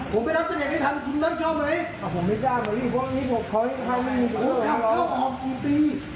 ผมไม่ได้นะครับเดี๋ยวพอเรียกคำออกอีกปี